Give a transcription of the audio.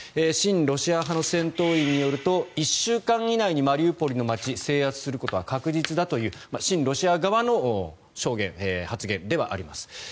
親ロシア派の戦闘員によると１週間以内にマリウポリの街制圧することは確実だという親ロシア側の証言、発言ではあります。